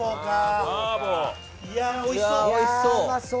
おいしそう。